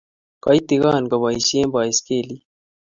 Koitigon kopaishe baiskelit